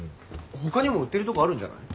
他にも売ってるとこあるんじゃない？